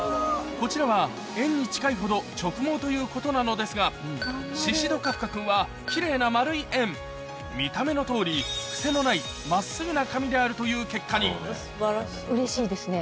こちらは円に近いほど直毛ということなのですがシシド・カフカ君はキレイな丸い円見た目のとおりであるという結果にうれしいですね